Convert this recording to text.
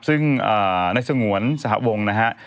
ซึ่งนักศึงหนุนสหวงนะฮะ